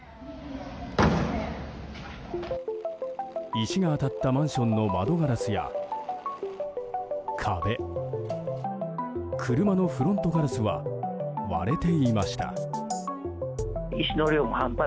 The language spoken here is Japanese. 石が当たったマンションの窓ガラスや壁、車のフロントガラスは割れていました。